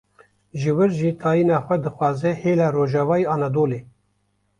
ji wir jî tayîna xwe dixwaze hêla rojavayê Anadolê